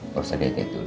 gak usah diet diet dulu